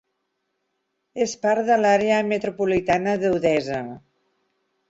És part de l'àrea metropolitana d'Odessa.